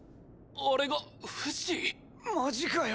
あれがフシ⁉マジかよ